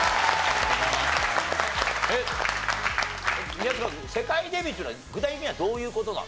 えっ宮近君世界デビューっていうのは具体的にはどういう事なの？